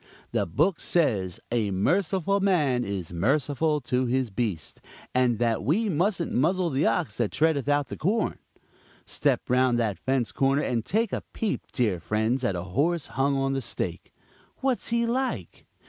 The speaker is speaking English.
The book says 'a merciful man is merciful to his beast,' and that we mustn't 'muzzle the ox that treadeth out the corn.' Step round that fence corner, and take a peep, dear friends, at a horse hung on the stake; what's he like?